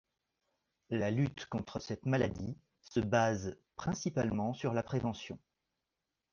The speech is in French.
La lutte conte cette maladie se base principalement sur la prévention.